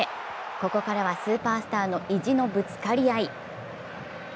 ここからはスーパースターの意地のぶつかり合い。